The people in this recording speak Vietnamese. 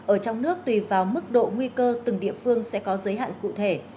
ở trong nước tùy vào mức độ nguy cơ từng địa phương sẽ có giới hạn cụ thể